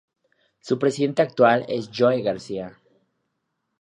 Su presidente actual es Joe Garcia.